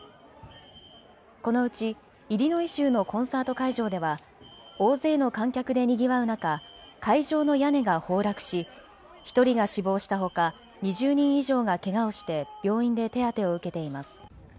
このうちイリノイ州のコンサート会場では大勢の観客でにぎわう中、会場の屋根が崩落し１人が死亡したほか２０人以上がけがをして病院で手当てを受けています。